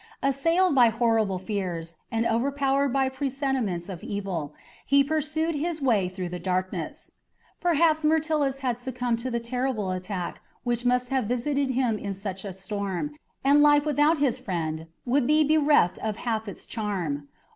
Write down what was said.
Assailed by horrible fears, and overpowered by presentiments of evil, he pursued his way through the darkness. Perhaps Myrtilus had succumbed to the terrible attack which must have visited him in such a storm, and life without his friend would be bereft of half its charm.